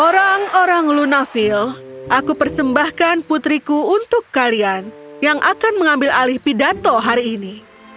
orang orang lunafil aku persembahkan putriku untuk kalian yang akan mengambil alih pidato hari ini